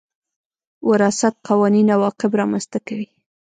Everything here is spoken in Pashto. وراثت قوانين عواقب رامنځ ته کوي.